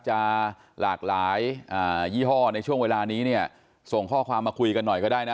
จะหลากหลายยี่ห้อในช่วงเวลานี้เนี่ยส่งข้อความมาคุยกันหน่อยก็ได้นะ